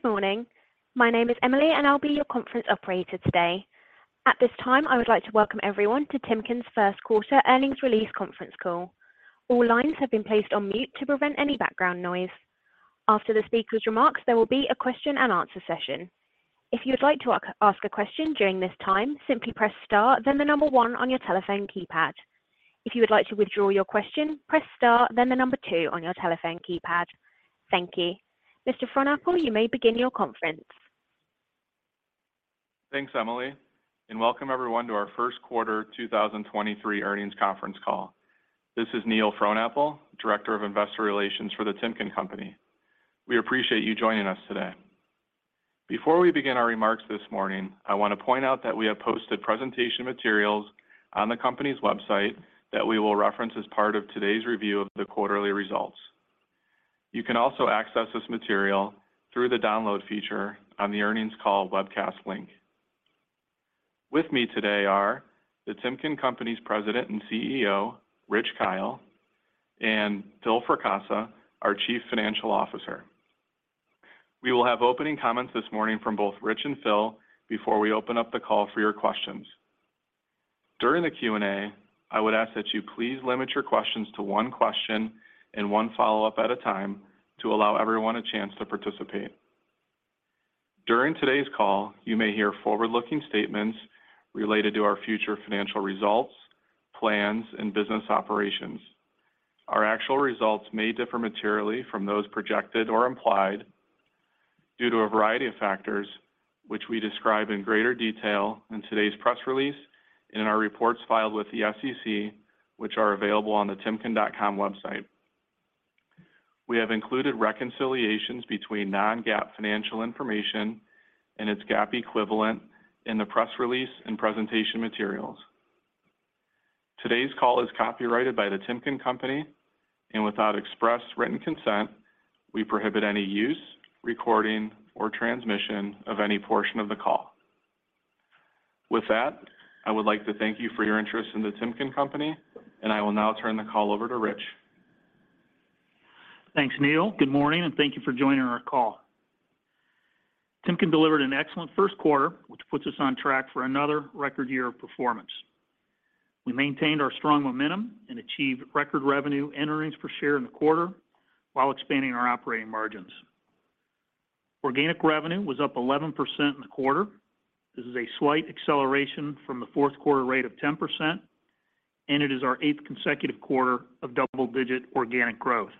Good morning. My name is Emily, and I'll be your conference operator today. At this time, I would like to welcome everyone to Timken's first quarter earnings release conference call. All lines have been placed on mute to prevent any background noise. After the speaker's remarks, there will be a question and answer session. If you would like to ask a question during this time, simply press star, then the number one on your telephone keypad. If you would like to withdraw your question, press star then the number two on your telephone keypad. Thank you. Mr. Frohnapple, you may begin your conference. Thanks, Emily, welcome everyone to our first quarter 2023 earnings conference call. This is Neil Frohnapple, Director of Investor Relations for The Timken Company. We appreciate you joining us today. Before we begin our remarks this morning, I wanna point out that we have posted presentation materials on the company's website that we will reference as part of today's review of the quarterly results. You can also access this material through the Download feature on the earnings call webcast link. With me today are The Timken Company's President and CEO, Rich Kyle, and Phil Fracassa, our Chief Financial Officer. We will have opening comments this morning from both Rich and Phil before we open up the call for your questions. During the Q&A, I would ask that you please limit your questions to one question and one follow-up at a time to allow everyone a chance to participate. During today's call, you may hear forward-looking statements related to our future financial results, plans, and business operations. Our actual results may differ materially from those projected or implied due to a variety of factors which we describe in greater detail in today's press release, in our reports filed with the SEC, which are available on the timken.com website. We have included reconciliations between non-GAAP financial information and its GAAP equivalent in the press release and presentation materials. Today's call is copyrighted by The Timken Company, and without express written consent, we prohibit any use, recording, or transmission of any portion of the call. With that, I would like to thank you for your interest in The Timken Company, and I will now turn the call over to Rich. Thanks, Neil. Good morning, and thank you for joining our call. Timken delivered an excellent first quarter, which puts us on track for another record year of performance. We maintained our strong momentum and achieved record revenue and earnings per share in the quarter while expanding our operating margins. Organic revenue was up 11% in the quarter. This is a slight acceleration from the fourth quarter rate of 10%. It is our eighth consecutive quarter of double-digit organic growth.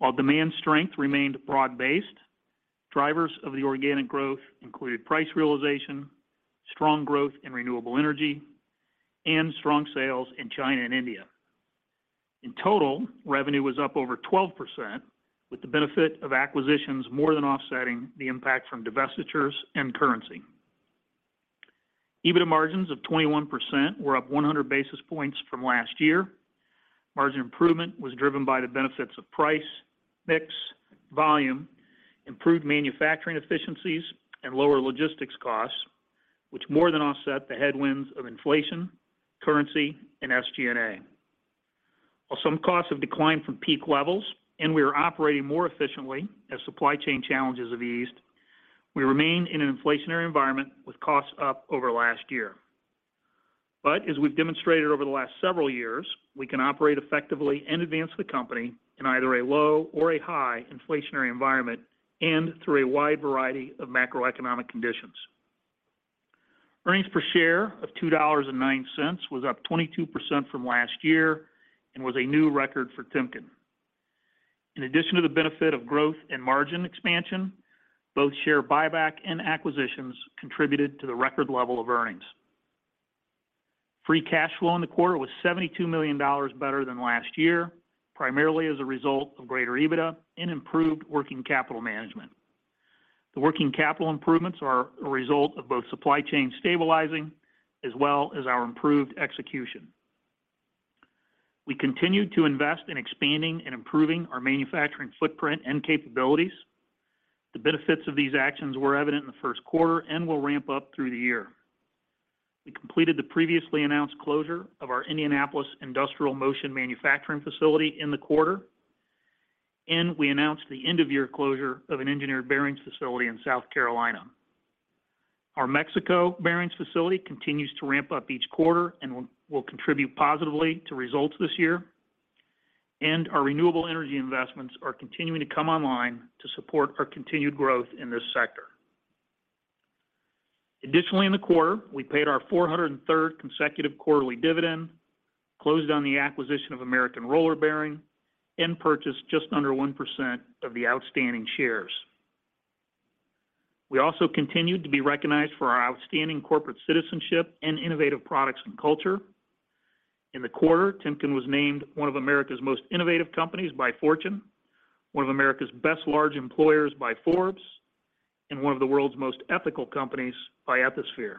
While demand strength remained broad-based, drivers of the organic growth included price realization, strong growth in renewable energy, and strong sales in China and India. In total, revenue was up over 12% with the benefit of acquisitions more than offsetting the impact from divestitures and currency. EBITDA margins of 21% were up 100 basis points from last year. Margin improvement was driven by the benefits of price, mix, volume, improved manufacturing efficiencies, and lower logistics costs, which more than offset the headwinds of inflation, currency, and SG&A. While some costs have declined from peak levels and we are operating more efficiently as supply chain challenges have eased, we remain in an inflationary environment with costs up over last year. As we've demonstrated over the last several years, we can operate effectively and advance the company in either a low or a high inflationary environment and through a wide variety of macroeconomic conditions. Earnings per share of $2.09 was up 22% from last year and was a new record for Timken. In addition to the benefit of growth and margin expansion, both share buyback and acquisitions contributed to the record level of earnings. Free cash flow in the quarter was $72 million better than last year, primarily as a result of greater EBITDA and improved working capital management. The working capital improvements are a result of both supply chain stabilizing as well as our improved execution. We continued to invest in expanding and improving our manufacturing footprint and capabilities. The benefits of these actions were evident in the first quarter and will ramp up through the year. We completed the previously announced closure of our Indianapolis Industrial Motion manufacturing facility in the quarter, and we announced the end-of-year closure of an engineered bearings facility in South Carolina. Our Mexico bearings facility continues to ramp up each quarter and will contribute positively to results this year. Our renewable energy investments are continuing to come online to support our continued growth in this sector. Additionally, in the quarter, we paid our 403rd consecutive quarterly dividend, closed on the acquisition of American Roller Bearing, and purchased just under 1% of the outstanding shares. We also continued to be recognized for our outstanding corporate citizenship and innovative products and culture. In the quarter, Timken was named one of America's most innovative companies by Fortune, one of America's best large employers by Forbes, and one of the world's most ethical companies by Ethisphere.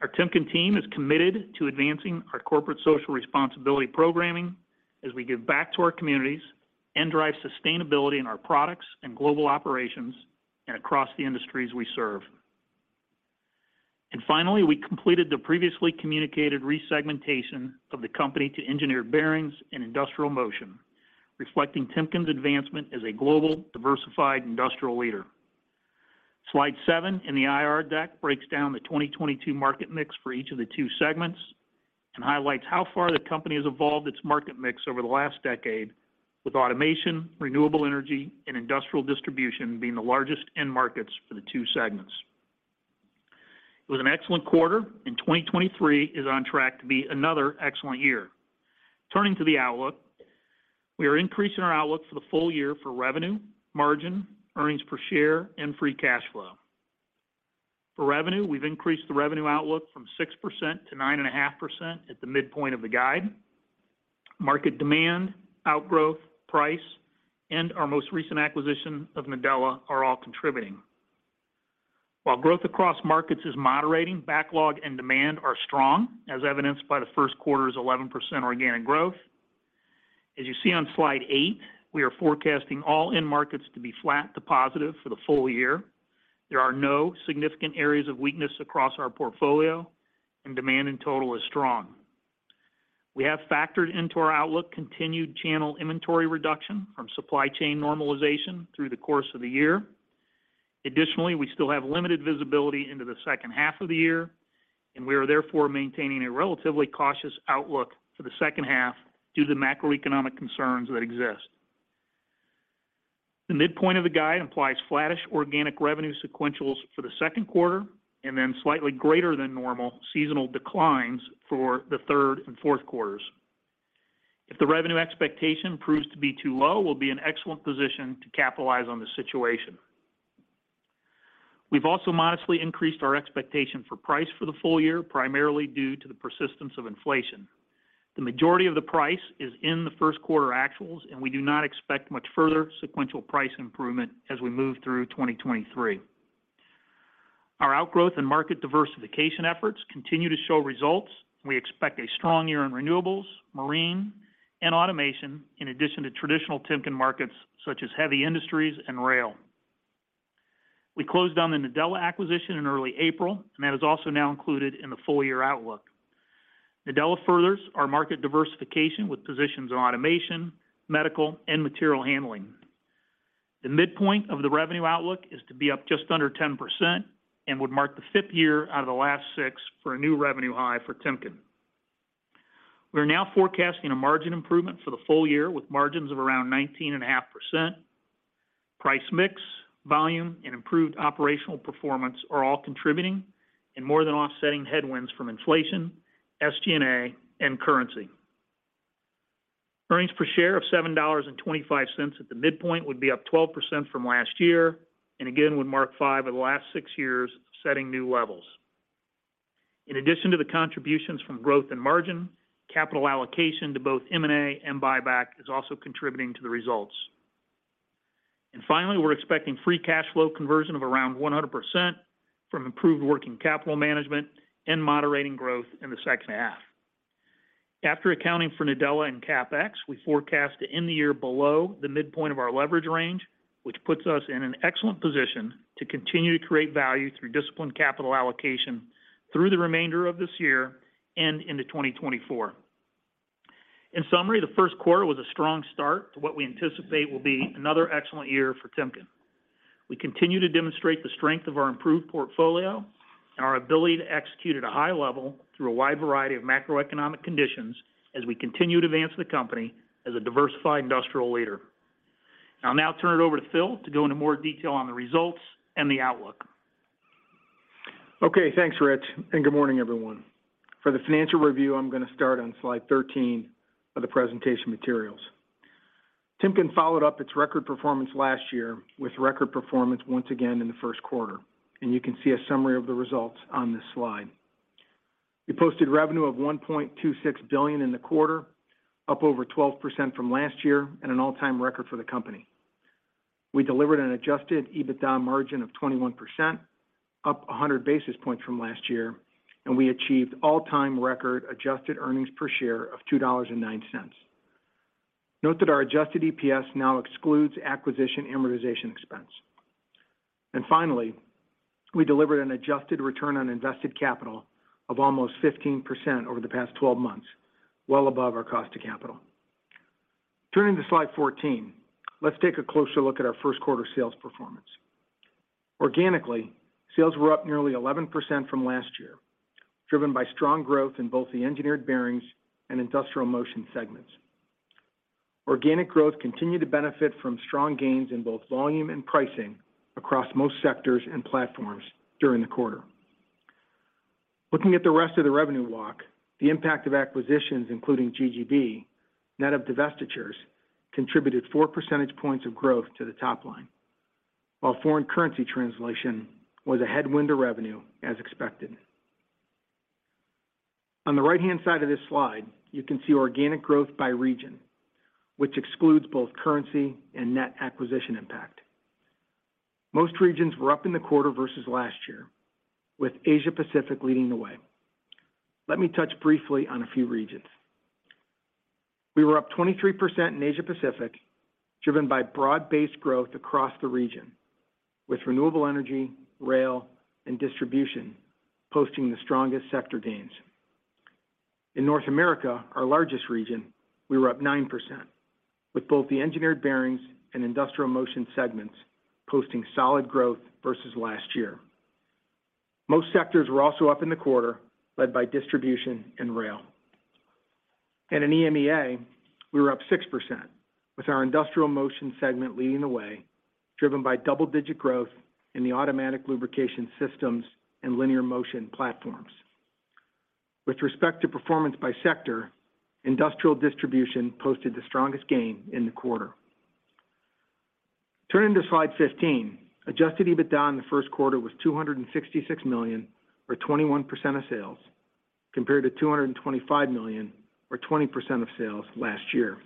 Our Timken team is committed to advancing our corporate social responsibility programming as we give back to our communities and drive sustainability in our products and global operations and across the industries we serve. Finally, we completed the previously communicated resegmentation of the company to engineered bearings and industrial motion, reflecting Timken's advancement as a global diversified industrial leader. Slide seven in the IR deck breaks down the 2022 market mix for each of the two segments and highlights how far the company has evolved its market mix over the last decade, with automation, renewable energy, and industrial distribution being the largest end markets for the two segments. It was an excellent quarter, and 2023 is on track to be another excellent year. Turning to the outlook, we are increasing our outlook for the full year for revenue, margin, earnings per share, and free cash flow. For revenue, we've increased the revenue outlook from 6% to 9.5% at the midpoint of the guide. Market demand, outgrowth, price, and our most recent acquisition of Nadella are all contributing. While growth across markets is moderating, backlog and demand are strong, as evidenced by the first quarter's 11% organic growth. As you see on slide eight, we are forecasting all end markets to be flat to positive for the full year. There are no significant areas of weakness across our portfolio, and demand in total is strong. We have factored into our outlook continued channel inventory reduction from supply chain normalization through the course of the year. We still have limited visibility into the second half of the year, and we are therefore maintaining a relatively cautious outlook for the second half due to the macroeconomic concerns that exist. The midpoint of the guide implies flattish organic revenue sequentials for the second quarter and slightly greater than normal seasonal declines for the third and fourth quarters. If the revenue expectation proves to be too low, we'll be in excellent position to capitalize on the situation. We've also modestly increased our expectation for price for the full year, primarily due to the persistence of inflation. The majority of the price is in the first quarter actuals. We do not expect much further sequential price improvement as we move through 2023. Our outgrowth and market diversification efforts continue to show results. We expect a strong year in renewables, marine, and automation, in addition to traditional Timken markets such as heavy industries and rail. We closed on the Nadella acquisition in early April. That is also now included in the full year outlook. Nadella furthers our market diversification with positions on automation, medical, and material handling. The midpoint of the revenue outlook is to be up just under 10% and would mark the fifth year out of the last six for a new revenue high for Timken. We are now forecasting a margin improvement for the full year with margins of around 19.5%. Price mix, volume, and improved operational performance are all contributing and more than offsetting headwinds from inflation, SG&A, and currency. Earnings per share of $7.25 at the midpoint would be up 12% from last year and again would mark five of the last six years setting new levels. In addition to the contributions from growth and margin, capital allocation to both M&A and buyback is also contributing to the results. Finally, we're expecting free cash flow conversion of around 100% from improved working capital management and moderating growth in the second half. After accounting for Nadella and CapEx, we forecast to end the year below the midpoint of our leverage range, which puts us in an excellent position to continue to create value through disciplined capital allocation through the remainder of this year and into 2024. In summary, the first quarter was a strong start to what we anticipate will be another excellent year for Timken. We continue to demonstrate the strength of our improved portfolio and our ability to execute at a high level through a wide variety of macroeconomic conditions as we continue to advance the company as a diversified industrial leader. I'll now turn it over to Phil to go into more detail on the results and the outlook. Okay, thanks, Rich, good morning, everyone. For the financial review, I'm gonna start on slide 13 of the presentation materials. The Timken Company followed up its record performance last year with record performance once again in the first quarter, you can see a summary of the results on this slide. We posted revenue of $1.26 billion in the quarter, up over 12% from last year and an all-time record for the company. We delivered an adjusted EBITDA margin of 21%, up 100 basis points from last year, we achieved all-time record adjusted earnings per share of $2.09. Note that our adjusted EPS now excludes acquisition amortization expense. Finally, we delivered an adjusted return on invested capital of almost 15% over the past 12 months, well above our cost of capital. Turning to slide 14, let's take a closer look at our first quarter sales performance. Organically, sales were up nearly 11% from last year, driven by strong growth in both the engineered bearings and Industrial Motion segments. Organic growth continued to benefit from strong gains in both volume and pricing across most sectors and platforms during the quarter. Looking at the rest of the revenue walk, the impact of acquisitions, including GGB, net of divestitures, contributed 4% points of growth to the top line, while foreign currency translation was a headwind to revenue as expected. On the right-hand side of this slide, you can see organic growth by region, which excludes both currency and net acquisition impact. Most regions were up in the quarter versus last year, with Asia Pacific leading the way. Let me touch briefly on a few regions. We were up 23% in Asia Pacific, driven by broad-based growth across the region, with renewable energy, rail, and distribution posting the strongest sector gains. In North America, our largest region, we were up 9%, with both the engineered bearings and Industrial Motion segments posting solid growth versus last year. Most sectors were also up in the quarter, led by distribution and rail. In EMEA, we were up 6% with our Industrial Motion segment leading the way, driven by double-digit growth in the automatic lubrication systems and linear motion platforms. With respect to performance by sector, industrial distribution posted the strongest gain in the quarter. Turning to slide 15, adjusted EBITDA in the first quarter was $266 million, or 21% of sales, compared to $225 million, or 20% of sales last year.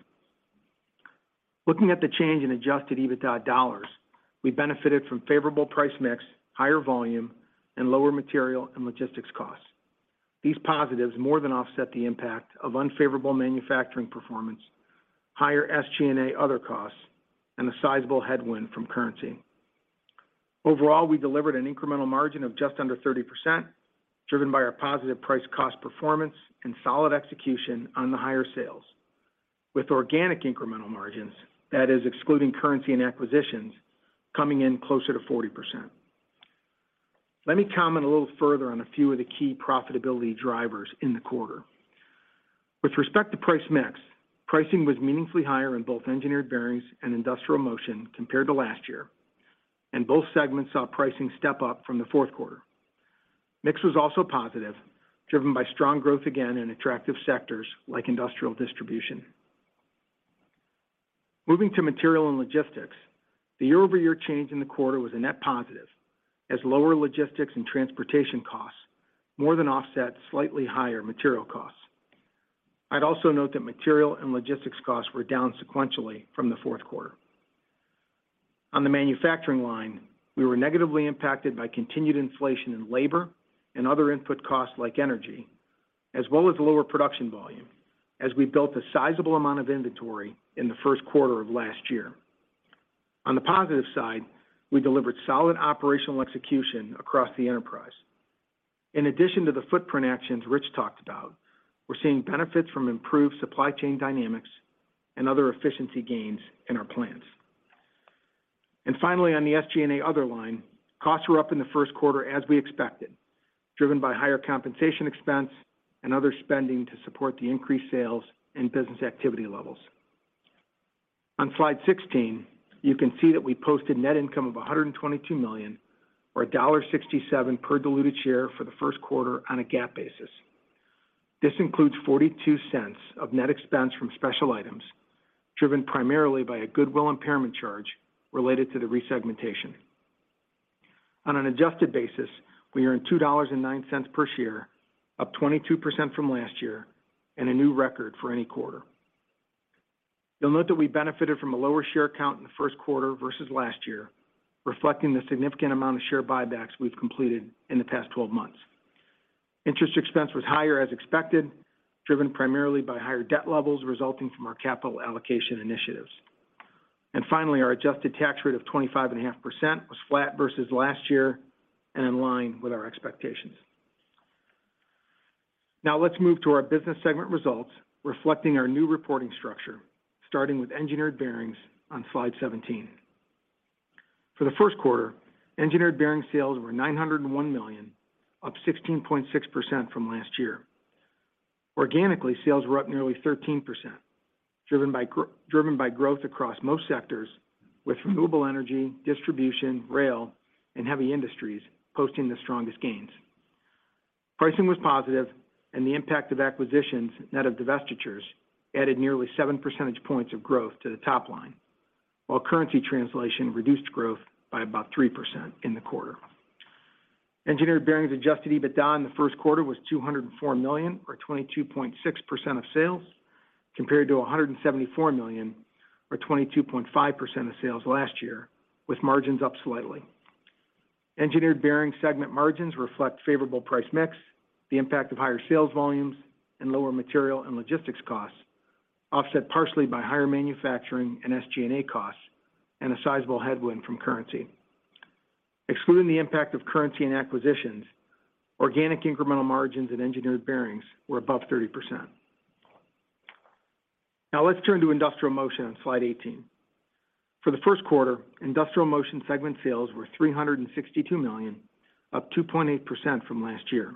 Looking at the change in adjusted EBITDA dollars, we benefited from favorable price mix, higher volume, and lower material and logistics costs. These positives more than offset the impact of unfavorable manufacturing performance, higher SG&A other costs, and a sizable headwind from currency. Overall, we delivered an incremental margin of just under 30%, driven by our positive price cost performance and solid execution on the higher sales. With organic incremental margins, that is excluding currency and acquisitions, coming in closer to 40%. Let me comment a little further on a few of the key profitability drivers in the quarter. With respect to price mix, pricing was meaningfully higher in both engineered bearings and industrial motion compared to last year, and both segments saw pricing step up from the fourth quarter. Mix was also positive, driven by strong growth again in attractive sectors like industrial distribution. Moving to material and logistics, the year-over-year change in the quarter was a net positive as lower logistics and transportation costs more than offset slightly higher material costs. I'd also note that material and logistics costs were down sequentially from the fourth quarter. On the manufacturing line, we were negatively impacted by continued inflation in labor and other input costs like energy, as well as lower production volume as we built a sizable amount of inventory in the first quarter of last year. On the positive side, we delivered solid operational execution across the enterprise. In addition to the footprint actions Rich talked about, we're seeing benefits from improved supply chain dynamics and other efficiency gains in our plants. Finally, on the SG&A other line, costs were up in the first quarter as we expected, driven by higher compensation expense and other spending to support the increased sales and business activity levels. On slide 16, you can see that we posted net income of $122 million or $1.67 per diluted share for the first quarter on a GAAP basis. This includes $0.42 of net expense from special items, driven primarily by a goodwill impairment charge related to the resegmentation. On an adjusted basis, we earned $2.09 per share, up 22% from last year and a new record for any quarter. You'll note that we benefited from a lower share count in the first quarter versus last year, reflecting the significant amount of share buybacks we've completed in the past 12 months. Interest expense was higher as expected, driven primarily by higher debt levels resulting from our capital allocation initiatives. Finally, our adjusted tax rate of 25.5% was flat versus last year and in line with our expectations. Now let's move to our business segment results reflecting our new reporting structure, starting with engineered bearings on slide 17. For the first quarter, engineered bearing sales were $901 million, up 16.6% from last year. Organically, sales were up nearly 13%, driven by growth across most sectors with renewable energy, distribution, rail, and heavy industries posting the strongest gains. Pricing was positive and the impact of acquisitions, net of divestitures, added nearly 7% points of growth to the top line, while currency translation reduced growth by about 3% in the quarter. Engineered bearings adjusted EBITDA in the first quarter was $204 million or 22.6% of sales, compared to $174 million or 22.5% of sales last year, with margins up slightly. Engineered bearing segment margins reflect favorable price mix, the impact of higher sales volumes, and lower material and logistics costs, offset partially by higher manufacturing and SG&A costs, and a sizable headwind from currency. Excluding the impact of currency and acquisitions, organic incremental margins in engineered bearings were above 30%. Let's turn to Industrial Motion on slide 18. For the first quarter, Industrial Motion segment sales were $362 million, up 2.8% from last year.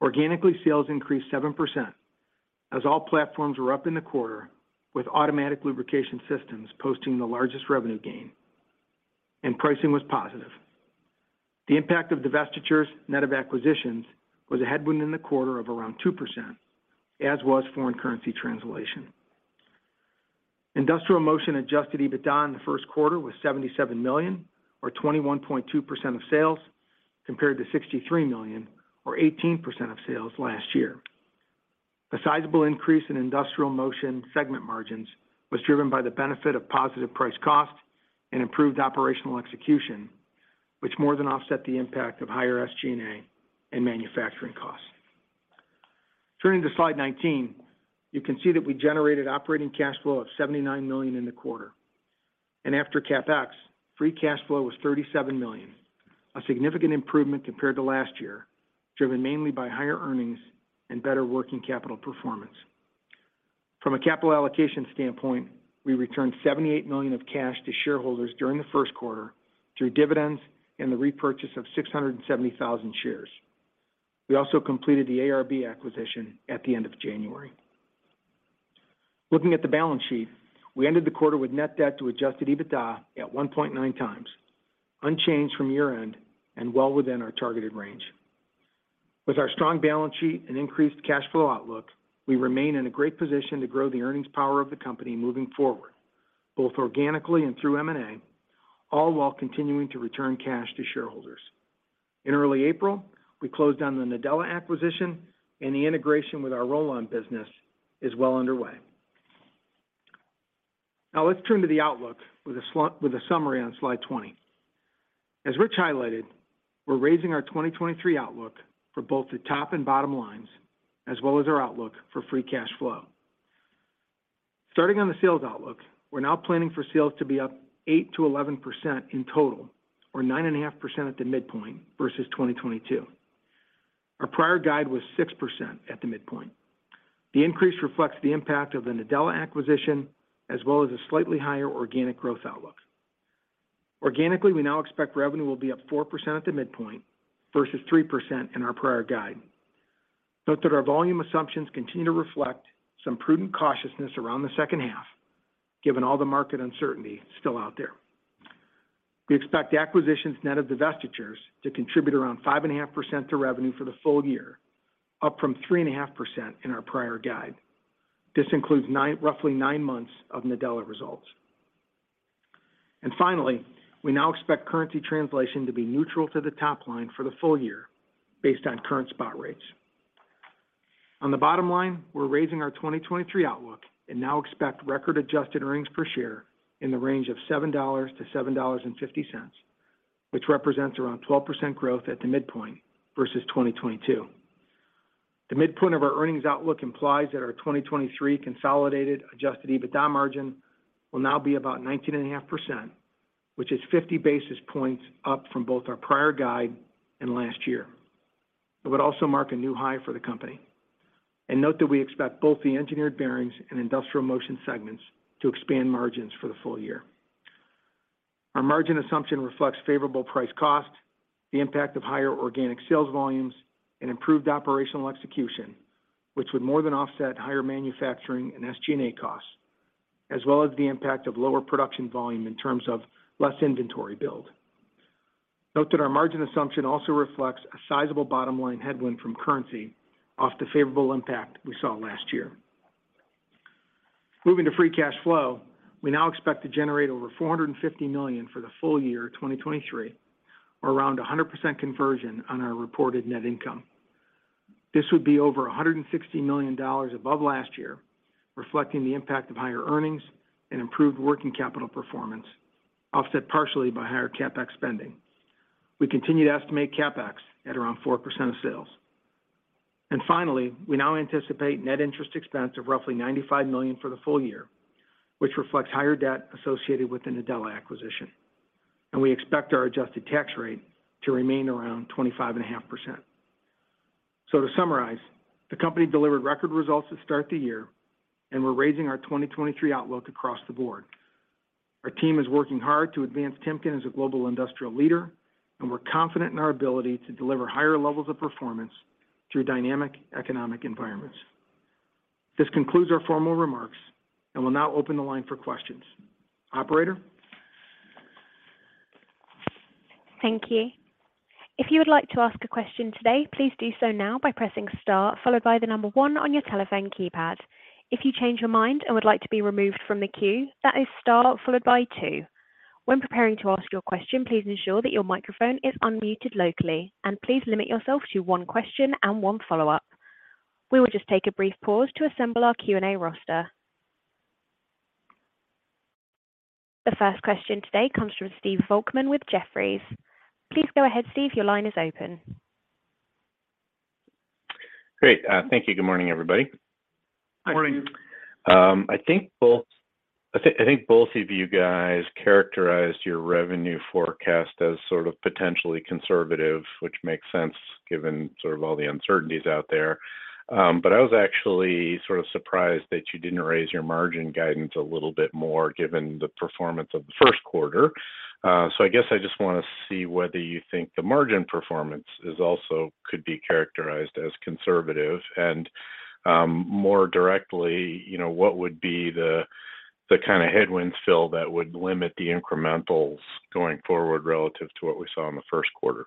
Organically, sales increased 7% as all platforms were up in the quarter with automatic lubrication systems posting the largest revenue gain and pricing was positive. The impact of divestitures net of acquisitions was a headwind in the quarter of around 2%, as was foreign currency translation. Industrial Motion adjusted EBITDA in the first quarter was $77 million or 21.2% of sales, compared to $63 million or 18% of sales last year. A sizable increase in Industrial Motion segment margins was driven by the benefit of positive price cost and improved operational execution. Which more than offset the impact of higher SG&A and manufacturing costs. Turning to slide 19, you can see that we generated operating cash flow of $79 million in the quarter. After CapEx, free cash flow was $37 million, a significant improvement compared to last year, driven mainly by higher earnings and better working capital performance. From a capital allocation standpoint, we returned $78 million of cash to shareholders during the first quarter through dividends and the repurchase of 670,000 shares. We also completed the ARB acquisition at the end of January. Looking at the balance sheet, we ended the quarter with net debt to adjusted EBITDA at 1.9 times, unchanged from year-end and well within our targeted range. With our strong balance sheet and increased cash flow outlook, we remain in a great position to grow the earnings power of the company moving forward, both organically and through M&A, all while continuing to return cash to shareholders. In early April, we closed on the Nadella acquisition and the integration with our Rollon business is well underway. Let's turn to the outlook with a summary on slide 20. As Rich highlighted, we're raising our 2023 outlook for both the top and bottom lines, as well as our outlook for free cash flow. Starting on the sales outlook, we're now planning for sales to be up 8%-11% in total or 9.5% at the midpoint versus 2022. Our prior guide was 6% at the midpoint. The increase reflects the impact of the Nadella acquisition, as well as a slightly higher organic growth outlook. Organically, we now expect revenue will be up 4% at the midpoint versus 3% in our prior guide. Note that our volume assumptions continue to reflect some prudent cautiousness around the second half, given all the market uncertainty still out there. We expect acquisitions net of divestitures to contribute around 5.5% to revenue for the full year, up from 3.5% in our prior guide. This includes roughly nine months of Nadella results. Finally, we now expect currency translation to be neutral to the top line for the full year based on current spot rates. On the bottom line, we're raising our 2023 outlook and now expect record adjusted earnings per share in the range of $7.00-$7.50, which represents around 12% growth at the midpoint versus 2022. The midpoint of our earnings outlook implies that our 2023 consolidated adjusted EBITDA margin will now be about 19.5%, which is 50 basis points up from both our prior guide and last year. It would also mark a new high for the company. Note that we expect both the engineered bearings and Industrial Motion segments to expand margins for the full year. Our margin assumption reflects favorable price cost, the impact of higher organic sales volumes, and improved operational execution, which would more than offset higher manufacturing and SG&A costs, as well as the impact of lower production volume in terms of less inventory build. Note that our margin assumption also reflects a sizable bottom line headwind from currency off the favorable impact we saw last year. Moving to free cash flow, we now expect to generate over $450 million for the full year 2023, or around 100% conversion on our reported net income. This would be over $160 million above last year, reflecting the impact of higher earnings and improved working capital performance, offset partially by higher CapEx spending. We continue to estimate CapEx at around 4% of sales. Finally, we now anticipate net interest expense of roughly $95 million for the full year, which reflects higher debt associated with the Nadella acquisition. We expect our adjusted tax rate to remain around 25.5%. To summarize, the company delivered record results to start the year, and we're raising our 2023 outlook across the board. Our team is working hard to advance Timken as a global industrial leader. We're confident in our ability to deliver higher levels of performance through dynamic economic environments. This concludes our formal remarks. We'll now open the line for questions. Operator? Thank you. If you would like to ask a question today, please do so now by pressing star followed by one on your telephone keypad. If you change your mind and would like to be removed from the queue, that is star followed by two. When preparing to ask your question, please ensure that your microphone is unmuted locally, and please limit yourself to one question and one follow-up. We will just take a brief pause to assemble our Q&A roster. The first question today comes from Stephen Volkmann with Jefferies. Please go ahead, Steve. Your line is open. Great. Thank you. Good morning, everybody. Morning. I think both of you guys characterized your revenue forecast as sort of potentially conservative, which makes sense given sort of all the uncertainties out there. I was actually sort of surprised that you didn't raise your margin guidance a little bit more given the performance of the first quarter. I guess I just wanna see whether you think the margin performance is also could be characterized as conservative. More directly, you know, what would be the kind of headwinds, Phil, that would limit the incrementals going forward relative to what we saw in the first quarter?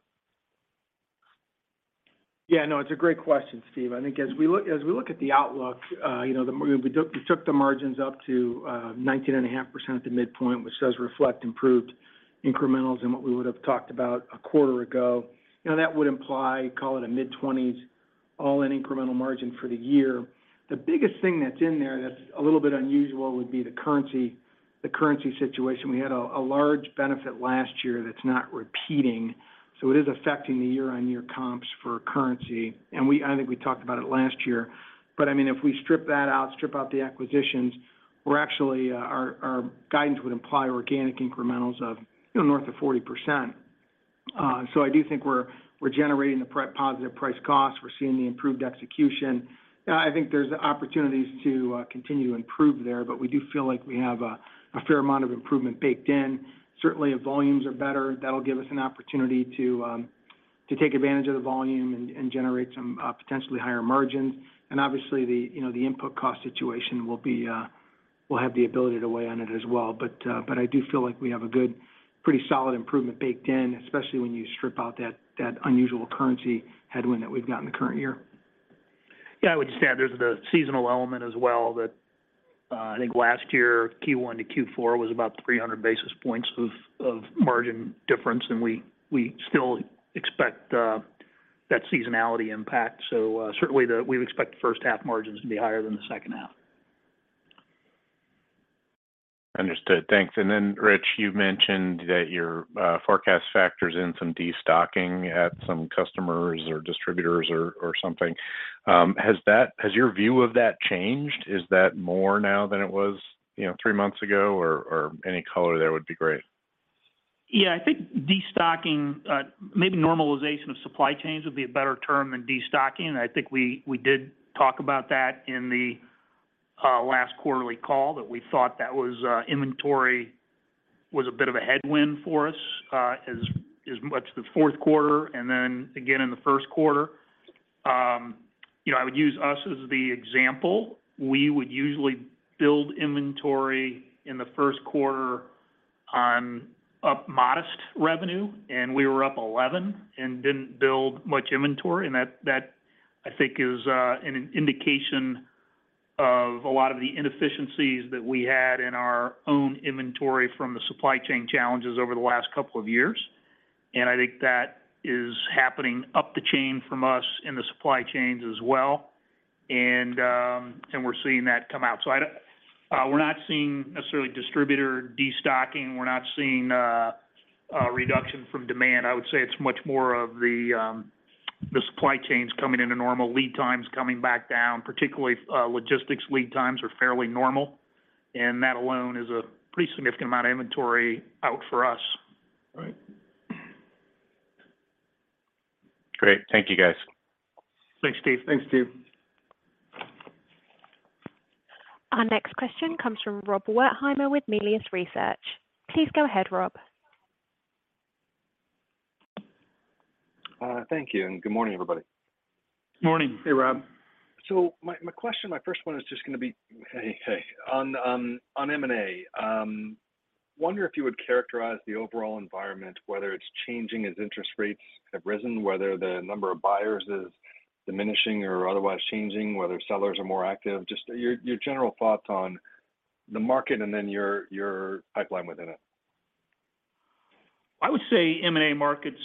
Yeah, no, it's a great question, Steve. I think as we look at the outlook, you know, we took the margins up to 19.5% at the midpoint, which does reflect improved incrementals in what we would have talked about a quarter ago. You know, that would imply, call it a mid-20s all in incremental margin for the year. The biggest thing that's in there that's a little bit unusual would be the currency situation. We had a large benefit last year that's not repeating, so it is affecting the year-on-year comps for currency. I think we talked about it last year, but I mean, if we strip that out, strip out the acquisitions, we're actually, our guidance would imply organic incrementals of north of 40%. I do think we're generating positive price cost. We're seeing the improved execution. I think there's opportunities to continue to improve there, but we do feel like we have a fair amount of improvement baked in. Certainly, if volumes are better, that'll give us an opportunity to take advantage of the volume and generate some potentially higher margins. Obviously the, you know, the input cost situation will be, will have the ability to weigh on it as well. I do feel like we have a good, pretty solid improvement baked in, especially when you strip out that unusual currency headwind that we've got in the current year. I would just add, there's the seasonal element as well that, I think last year, Q1 to Q4 was about 300 basis points of margin difference, and we still expect that seasonality impact. Certainly we expect first half margins to be higher than the second half. Understood. Thanks. Then Rich, you mentioned that your forecast factors in some destocking at some customers or distributors or something. Has your view of that changed? Is that more now than it was, you know, three months ago? Any color there would be great. I think destocking, maybe normalization of supply chains would be a better term than destocking. I think we did talk about that in the last quarterly call that we thought that was inventory was a bit of a headwind for us as much the fourth quarter and then again in the first quarter. You know, I would use us as the example. We would usually build inventory in the first quarter on up modest revenue, we were up 11 and didn't build much inventory. That I think is an indication of a lot of the inefficiencies that we had in our own inventory from the supply chain challenges over the last couple of years. I think that is happening up the chain from us in the supply chains as well. We're seeing that come out. We're not seeing necessarily distributor destocking. We're not seeing a reduction from demand. I would say it's much more of the supply chains coming into normal, lead times coming back down. Particularly, logistics lead times are fairly normal, and that alone is a pretty significant amount of inventory out for us. All right. Great. Thank you, guys. Thanks, Steve. Thanks, Steve. Our next question comes from Rob Wertheimer with Melius Research. Please go ahead, Rob. Thank you, and good morning, everybody. Morning. Hey, Rob. My question, my first one is just gonna be, hey, on M&A. Wonder if you would characterize the overall environment, whether it's changing as interest rates have risen, whether the number of buyers is diminishing or otherwise changing, whether sellers are more active. Just your general thoughts on the market and then your pipeline within it. I would say M&A markets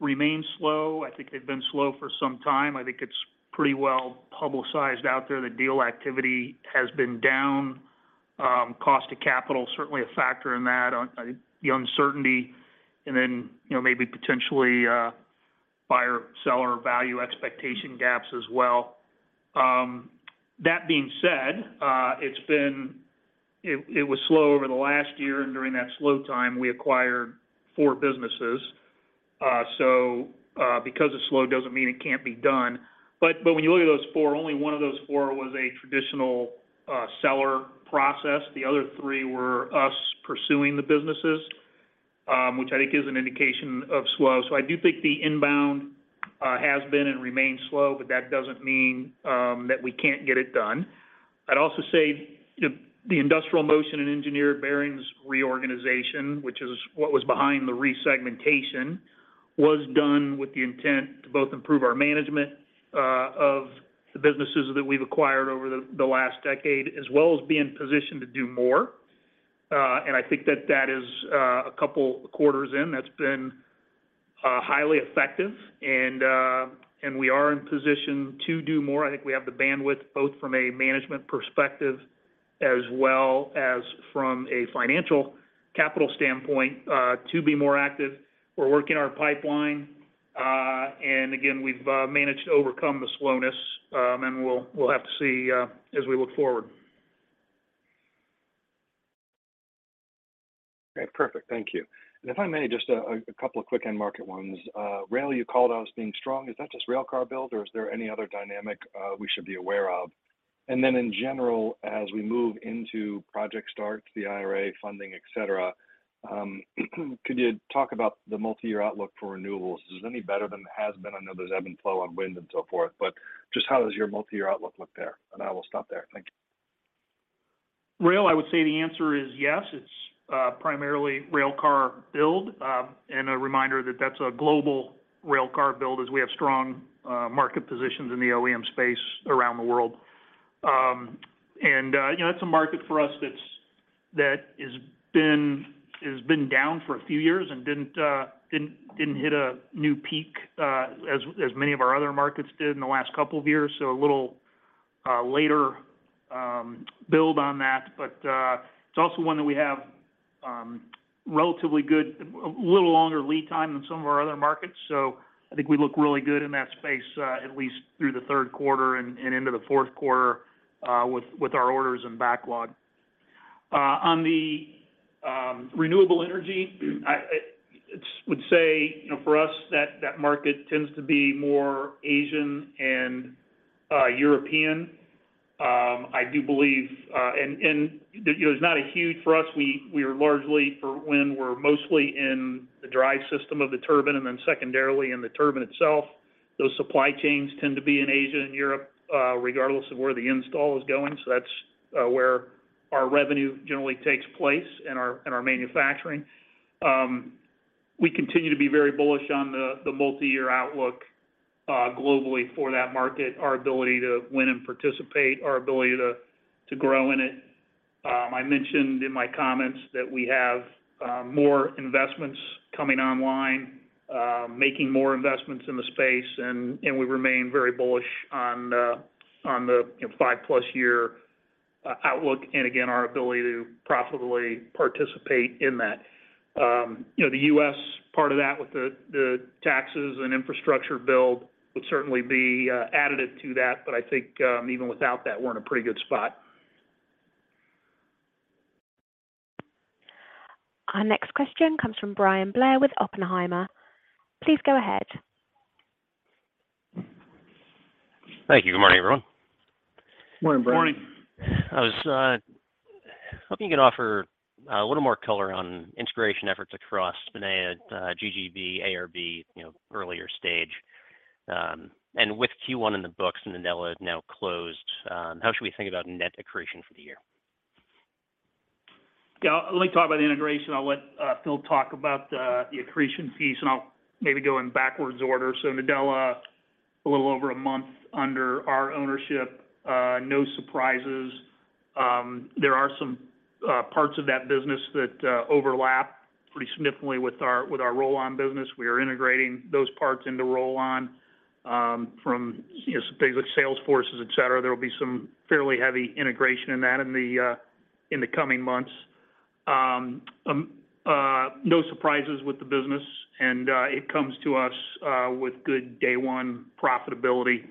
remain slow. I think they've been slow for some time. I think it's pretty well publicized out there that deal activity has been down. Cost of capital, certainly a factor in that. The uncertainty and then, you know, maybe potentially buyer-seller value expectation gaps as well. That being said, it was slow over the last year, and during that slow time, we acquired four businesses. Because it's slow doesn't mean it can't be done. But when you look at those four, only one of those four was a traditional seller process. The other three were us pursuing the businesses, which I think is an indication of slow. I do think the inbound has been and remains slow, but that doesn't mean that we can't get it done. I'd also say the Industrial Motion and Engineered Bearings reorganization, which is what was behind the resegmentation, was done with the intent to both improve our management of the businesses that we've acquired over the last decade, as well as be in position to do more. I think that that is a couple quarters in, that's been highly effective and we are in position to do more. I think we have the bandwidth both from a management perspective as well as from a financial capital standpoint to be more active. We're working our pipeline. Again, we've managed to overcome the slowness. We'll have to see as we look forward. Okay. Perfect. Thank you. If I may, just a couple of quick end market ones. Rob you called out as being strong. Is that just railcar build, or is there any other dynamic we should be aware of? In general, as we move into project starts, the IRA funding, et cetera, could you talk about the multi-year outlook for renewables? Is it any better than it has been? I know there's ebb and flow on wind and so forth, but just how does your multi-year outlook look there? I will stop there. Thank you. Rob, I would say the answer is yes. It's primarily railcar build. A reminder that that's a global railcar build as we have strong market positions in the OEM space around the world. You know, that's a market for us that has been down for a few years and didn't hit a new peak as many of our other markets did in the last couple of years. A little later build on that. It's also one that we have relatively good, a little longer lead time than some of our other markets. I think we look really good in that space at least through the third quarter and into the fourth quarter with our orders and backlog. On the renewable energy, I just would say, you know, for us, that market tends to be more Asian and European. I do believe, and, you know, it's not a huge for us, we are largely for wind. We're mostly in the drive system of the turbine, and then secondarily in the turbine itself. Those supply chains tend to be in Asia and Europe, regardless of where the install is going. That's where our revenue generally takes place in our manufacturing. We continue to be very bullish on the multi-year outlook globally for that market, our ability to win and participate, our ability to grow in it. I mentioned in my comments that we have more investments coming online, making more investments in the space and we remain very bullish on the, on the, you know, five-plus year outlook and again, our ability to profitably participate in that. You know, the U.S. part of that with the taxes and infrastructure build would certainly be additive to that. I think, even without that, we're in a pretty good spot. Our next question comes from Bryan Blair with Oppenheimer. Please go ahead. Thank you. Good morning, everyone. Morning, Bryan. Morning. I was hoping you can offer a little more color on integration efforts across Spinea, GGB, ARB, you know, earlier stage. With Q1 in the books and Nadella now closed, how should we think about net accretion for the year? Yeah. Let me talk about the integration. I'll let Phil talk about the accretion piece, and I'll maybe go in backwards order. Nadella, a little over a month under our ownership, no surprises. There are some parts of that business that overlap pretty significantly with our Rollon business. We are integrating those parts into Rollon, from, you know, some things like sales forces, et cetera. There will be some fairly heavy integration in that in the coming months. No surprises with the business, and it comes to us with good day one profitability.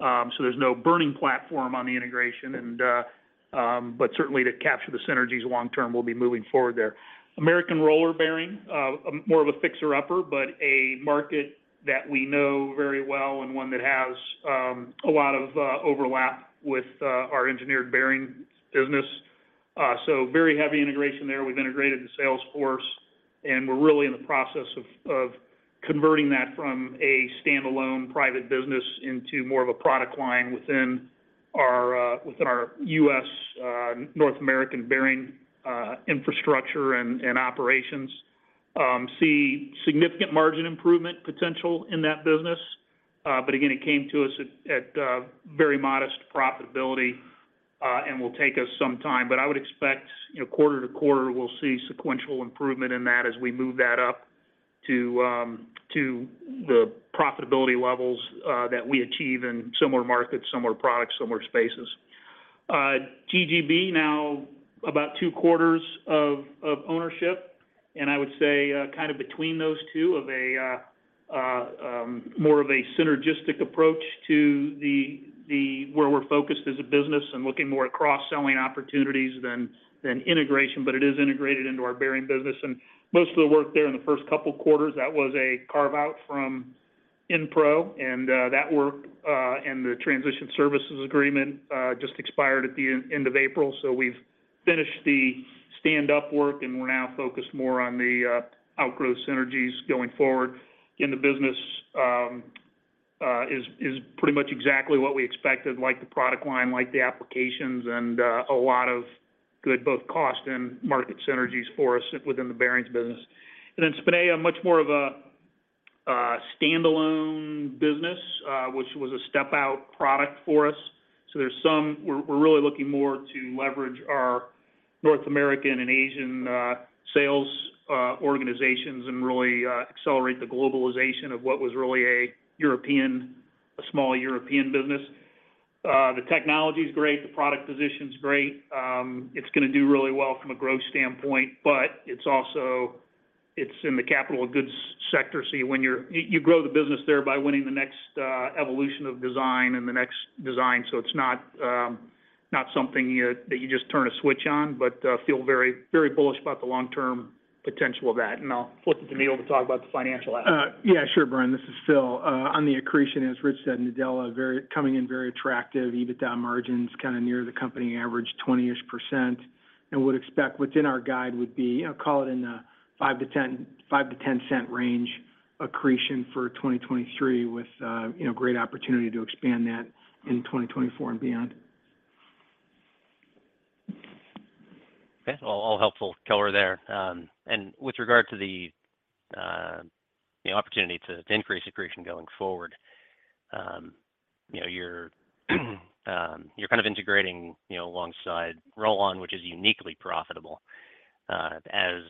There's no burning platform on the integration and, but certainly to capture the synergies long term, we'll be moving forward there. American Roller Bearing, more of a fixer-upper, but a market that we know very well and one that has a lot of overlap with our engineered bearing business. Very heavy integration there. We've integrated the sales force, and we're really in the process of converting that from a standalone private business into more of a product line within our U.S. North American bearing infrastructure and operations. See significant margin improvement potential in that business. Again, it came to us at very modest profitability and will take us some time. I would expect, you know, quarter to quarter, we'll see sequential improvement in that as we move that up to the profitability levels that we achieve in similar markets, similar products, similar spaces. GGB now about two quarters of ownership. I would say kind of between those two of a more of a synergistic approach to where we're focused as a business and looking more at cross-selling opportunities than integration. It is integrated into our bearing business. Most of the work there in the first couple quarters, that was a carve-out from Inpro, and that work and the transition services agreement just expired at the end of April. We've finished the stand-up work, and we're now focused more on the outgrow synergies going forward. The business is pretty much exactly what we expected, like the product line, like the applications, and a lot of good both cost and market synergies for us within the bearings business. Spinea, a much more of a standalone business, which was a step-out product for us. We're really looking more to leverage our North American and Asian sales organizations and really accelerate the globalization of what was really a small European business. The technology is great, the product position is great. It's going to do really well from a growth standpoint, but it's in the capital goods sector. You grow the business there by winning the next evolution of design and the next design. It's not something that you just turn a switch on, but feel very, very bullish about the long-term potential of that. I'll flip it to Neil to talk about the financial aspect. Yeah, sure, Bryan Blair. This is Phil. On the accretion, as Rich Kyle said, Nadella coming in very attractive. EBITDA margin's kind of near the company average, 20%-ish. Would expect within our guide would be, you know, call it in the $0.05-$0.10 range accretion for 2023 with, you know, great opportunity to expand that in 2024 and beyond. Okay. All helpful color there. With regard to the opportunity to increase accretion going forward, you know, you're kind of integrating, you know, alongside Rollon which is uniquely profitable. As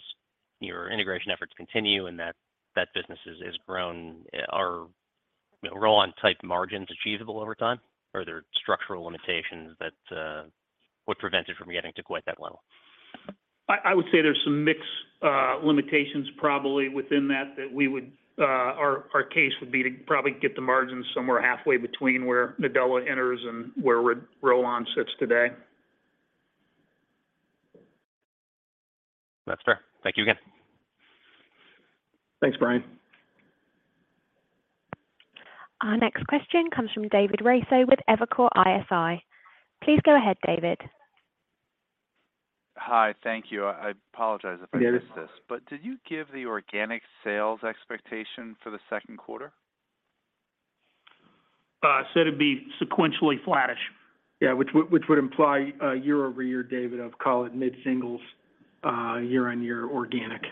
your integration efforts continue and that business is grown, are Rollon-type margins achievable over time or are there structural limitations that would prevent it from getting to quite that level? I would say there's some mix limitations probably within that we would. Our case would be to probably get the margins somewhere halfway between where Nadella enters and where Rollon sits today. That's fair. Thank you again. Thanks, Bryan. Our next question comes from David Raso with Evercore ISI. Please go ahead, David. Hi. Thank you. I apologize if I missed this. Yes. Did you give the organic sales expectation for the second quarter? I said it'd be sequentially flattish. Yeah. Which would imply a year-over-year, David, of call it mid-singles, year-on-year organic.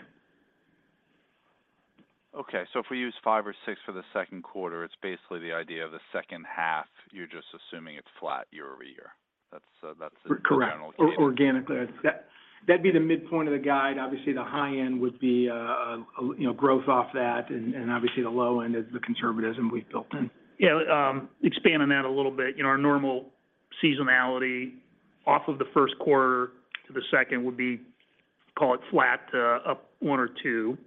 Okay. If we use five or six for the second quarter, it's basically the idea of the second half, you're just assuming it's flat year-over-year. That's, that's the general. Correct. Organically, that's, that'd be the midpoint of the guide. Obviously, the high end would be, you know, growth off that and, obviously the low end is the conservatism we've built in. Yeah. Expanding that a little bit. You know, our normal seasonality off of the first quarter to the second would be, call it flat to up one or two.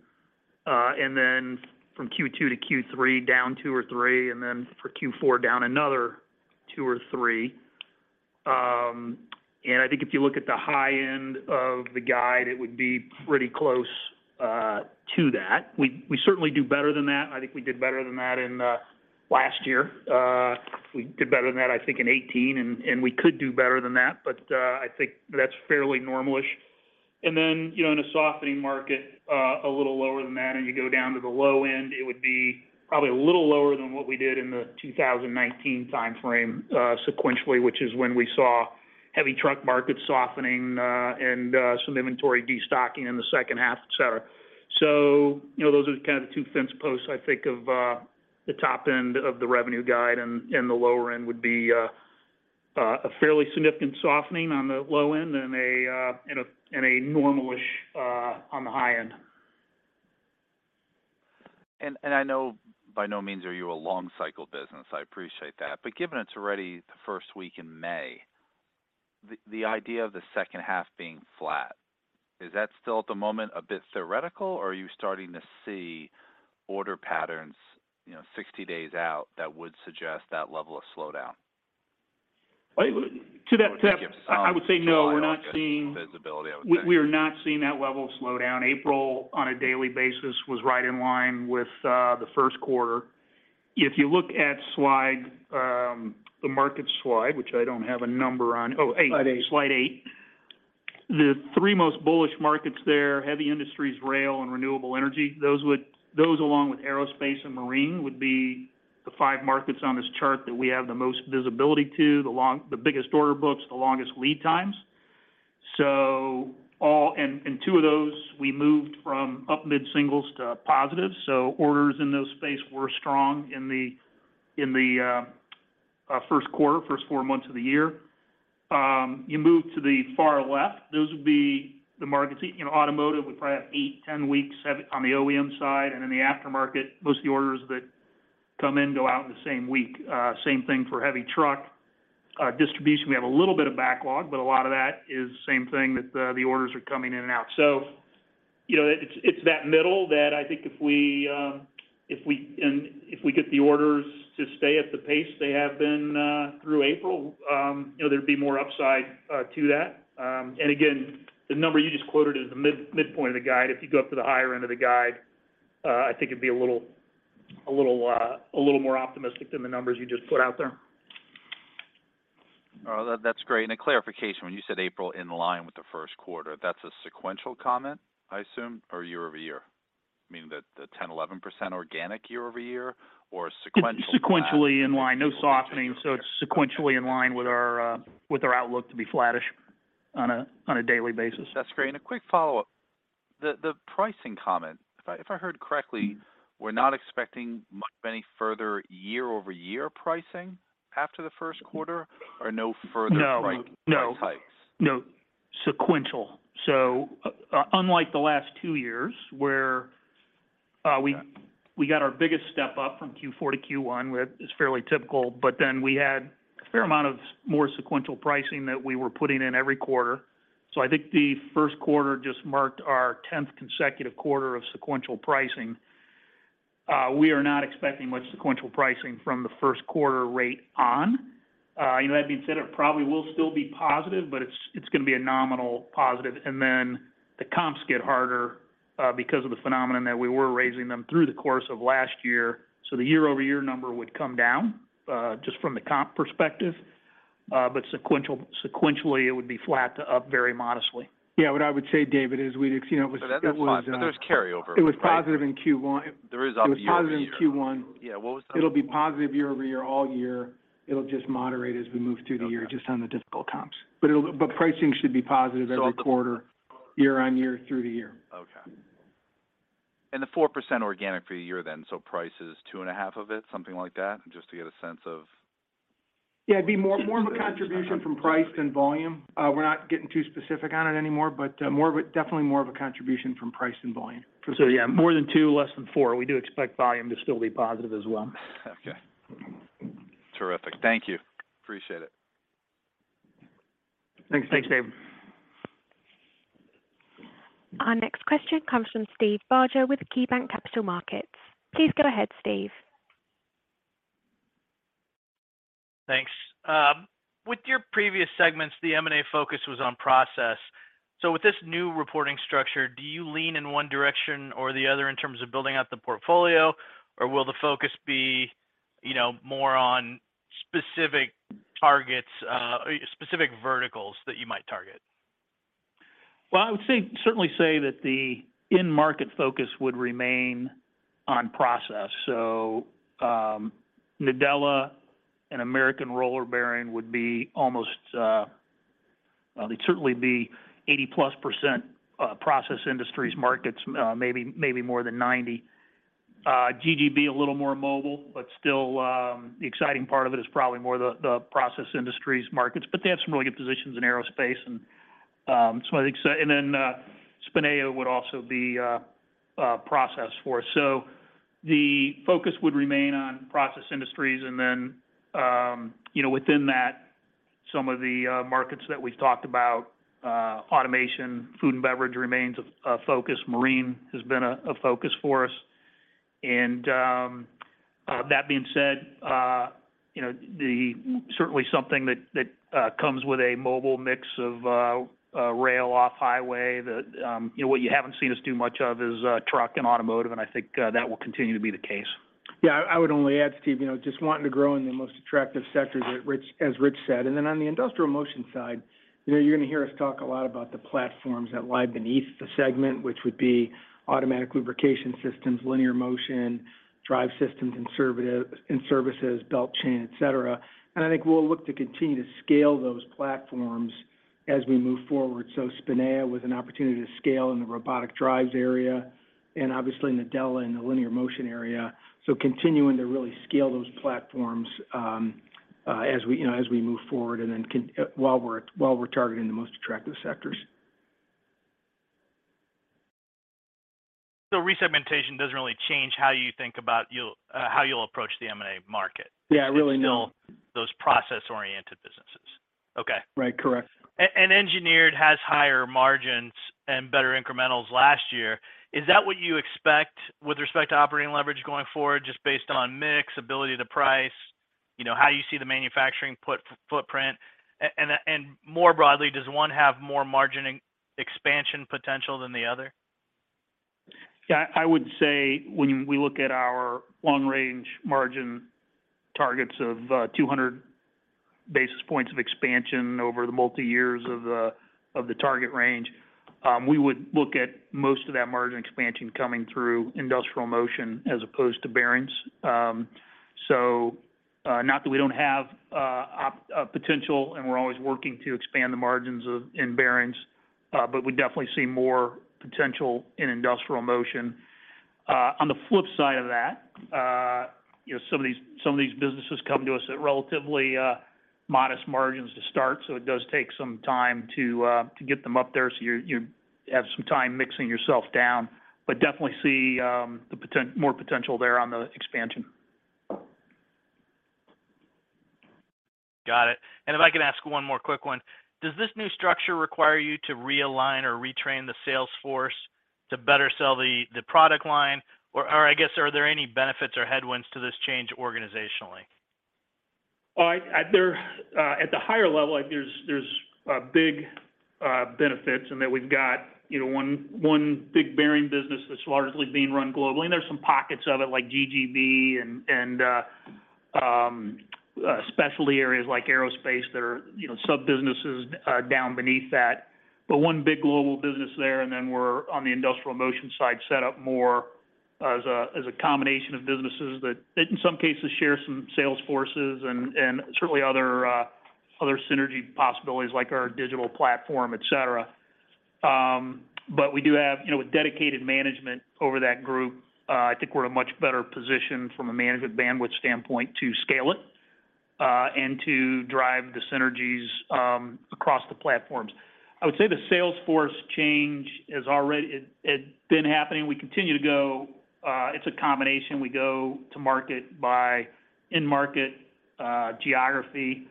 From Q2 to Q3, down two or three, and then for Q4, down another two or three. And I think if you look at the high end of the guide, it would be pretty close to that. We certainly do better than that, and I think we did better than that in last year. We did better than that, I think, in 2018 and we could do better than that, but I think that's fairly normal-ish. Then, you know, in a softening market, a little lower than that, and you go down to the low end, it would be probably a little lower than what we did in the 2019 timeframe, sequentially, which is when we saw heavy truck markets softening, and some inventory destocking in the second half, et cetera. You know, those are kind of the two fence posts I think of, the top end of the revenue guide and the lower end would be a fairly significant softening on the low end and a normal-ish on the high end. I know by no means are you a long cycle business. I appreciate that. Given it's already the first week in May, the idea of the second half being flat, is that still at the moment a bit theoretical, or are you starting to see order patterns, you know, 60 days out that would suggest that level of slowdown? Well, to. Would you give some- I would say no. We're not seeing. Visibility, I would say. We are not seeing that level of slowdown. April, on a daily basis, was right in line with the first quarter. If you look at slide, the markets slide, which I don't have a number on, oh eight, slide eight. Slide eight. The three most bullish markets there, heavy industries, rail, and renewable energy. Those, along with aerospace and marine, would be the five markets on this chart that we have the most visibility to, the biggest order books, the longest lead times. And two of those, we moved from up mid-singles to positive. Orders in those space were strong in the first quarter, first four months of the year. You move to the far left, those would be the markets. You know, automotive, we probably have eight, 10 weeks, seven, on the OEM side. In the aftermarket, most of the orders that come in go out in the same week. Same thing for heavy truck. Distribution, we have a little bit of backlog, but a lot of that is same thing that the orders are coming in and out. You know, it's that middle that I think if we get the orders to stay at the pace they have been through April, you know, there'd be more upside to that. Again, the number you just quoted is the midpoint of the guide. If you go up to the higher end of the guide, I think it'd be a little more optimistic than the numbers you just put out there. Oh, that's great. A clarification, when you said April in line with the first quarter, that's a sequential comment, I assume, or year-over-year? Meaning that the 10%, 11% organic year-over-year or sequential- Sequentially in line. No softening. It's sequentially in line with our with our outlook to be flattish on a daily basis. That's great. A quick follow-up. The pricing comment, if I heard correctly, we're not expecting much of any further year-over-year pricing after the first quarter or no further price-? No. No price hikes? No. Sequential. Unlike the last two years where we got our biggest step up from Q4 to Q1, which is fairly typical, but then we had a fair amount of more sequential pricing that we were putting in every quarter. I think the 1st quarter just marked our 10th consecutive quarter of sequential pricing. We are not expecting much sequential pricing from the 1st quarter rate on. You know, that being said, it probably will still be positive, but it's gonna be a nominal positive. The comps get harder because of the phenomenon that we were raising them through the course of last year. The year-over-year number would come down just from the comp perspective. Sequentially, it would be flat to up very modestly. Yeah. What I would say, David, is we'd You know, it was. That's fine. There's carryover. It was positive in Q1. There is obviously year-over-year. It was positive in Q1. Yeah. What was? It'll be positive year-over-year all year. It'll just moderate as we move through the year just on the difficult comps. Pricing should be positive every quarter year-on-year through the year. Okay. The 4% organic for the year then, so price is 2.5% of it, something like that? Just to get a sense of. Yeah, it'd be more, more of a contribution from price than volume. We're not getting too specific on it anymore, but definitely more of a contribution from price than volume. Yeah, more than 2, less than 4. We do expect volume to still be positive as well. Okay. Terrific. Thank you. Appreciate it. Thanks. Thanks, Dave. Our next question comes from Steve Barger with KeyBanc Capital Markets. Please go ahead, Steve. Thanks. With your previous segments, the M&A focus was on process. With this new reporting structure, do you lean in one direction or the other in terms of building out the portfolio? Will the focus be, you know, more on specific targets, specific verticals that you might target? I would say, certainly say that the end market focus would remain on process. Nadella and American Roller Bearing would be almost, Well, they'd certainly be 80-plus %, process industries markets, maybe more than 90. GGB a little more mobile, but still, the exciting part of it is probably more the process industries markets. They have some really good positions in aerospace and, I think so. Spinea would also be, a process for us. The focus would remain on process industries. you know, within that, some of the, markets that we've talked about, automation, food and beverage remains a focus. Marine has been a focus for us. That being said, you know, certainly something that, comes with a mobile mix of, rail off highway. The, you know, what you haven't seen us do much of is, truck and automotive, and I think, that will continue to be the case. Yeah. I would only add, Steve, you know, just wanting to grow in the most attractive sectors, as Rich said. On the Industrial Motion side, you know, you're gonna hear us talk a lot about the platforms that lie beneath the segment, which would be automatic lubrication systems, linear motion, drive systems and servative-- and services, belt chain, et cetera. I think we'll look to continue to scale those platforms as we move forward. Spinea was an opportunity to scale in the robotic drives area and obviously Nadella in the linear motion area. Continuing to really scale those platforms, as we, you know, as we move forward and then while we're targeting the most attractive sectors. Resegmentation doesn't really change how you think about how you'll approach the M&A market. Yeah, really no. It's still those process-oriented businesses. Okay. Right. Correct. Engineered has higher margins and better incrementals last year. Is that what you expect with respect to operating leverage going forward, just based on mix, ability to price? You know, how do you see the manufacturing footprint? More broadly, does one have more margin expansion potential than the other? Yeah. I would say when we look at our long range margin targets of, 200 basis points of expansion over the multi years of the, of the target range, we would look at most of that margin expansion coming through Industrial Motion as opposed to bearings. Not that we don't have, potential, and we're always working to expand the margins in bearings, but we definitely see more potential in Industrial Motion. On the flip side of that, you know, some of these, some of these businesses come to us at relatively, modest margins to start, so it does take some time to get them up there. You have some time mixing yourself down. Definitely see, more potential there on the expansion. Got it. If I can ask one more quick one, does this new structure require you to realign or retrain the sales force to better sell the product line? I guess, are there any benefits or headwinds to this change organizationally? Well, at the higher level, like, there's big benefits in that we've got, you know, one big bearing business that's largely being run globally. There's some pockets of it like GGB and specialty areas like aerospace that are, you know, sub-businesses down beneath that. One big global business there, and then we're on the Industrial Motion side set up more as a combination of businesses that in some cases share some sales forces and certainly other synergy possibilities like our digital platform, etc. We do have, you know, a dedicated management over that group. I think we're in a much better position from a management bandwidth standpoint to scale it and to drive the synergies across the platforms. I would say the sales force change is already, it'd been happening. We continue to go, it's a combination. We go to market by end market, geography,